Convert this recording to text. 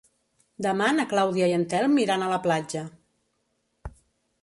Demà na Clàudia i en Telm iran a la platja.